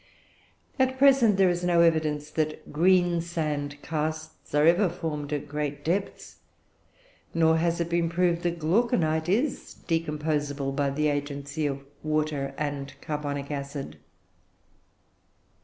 At present there is no evidence that greensand casts are ever formed at great depths; nor has it been proved that Glauconite is decomposable by the agency of water and carbonic acid.